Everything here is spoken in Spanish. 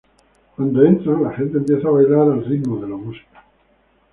Cuando entran, la gente empieza a bailar al ritmo de la música.